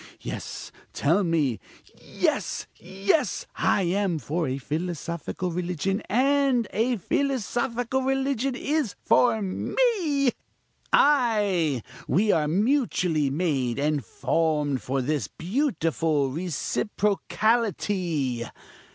Yes! tell me! Yes! yes! I am for a philosophical religion, and a philosophical religion is for me ay! we are mutually made and formed for this beautiful reciprocality!